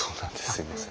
すみません。